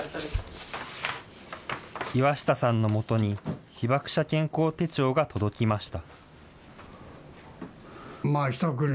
岩下さんのもとに被爆者健康手帳が届きました。